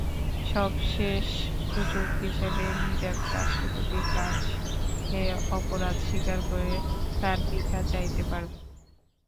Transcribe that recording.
সবশেষ সুযোগ হিসেবে নিজামী রাষ্ট্রপতির কাছে অপরাধ স্বীকার করে প্রাণভিক্ষা চাইতে পারবেন।